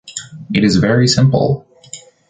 It is very simple.